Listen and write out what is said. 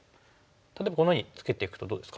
例えばこんなふうにツケていくとどうですか？